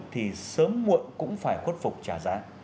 thì sớm muộn cũng phải khuất phục trả giá